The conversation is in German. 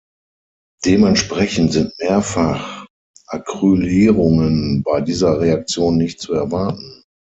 Dementsprechend sind Mehrfach-Acylierungen bei dieser Reaktion nicht zu erwarten.